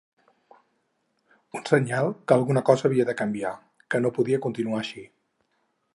Un senyal que alguna cosa havia de canviar, que no podia continuar així.